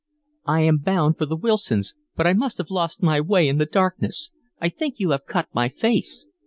"I am bound for the Wilsons', but I must have lost my way in the darkness. I think you have cut my face."